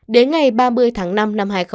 đến ngày ba mươi tháng năm năm hai nghìn hai mươi